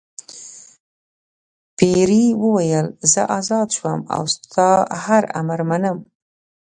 پیري وویل زه آزاد شوم او ستا هر امر منم.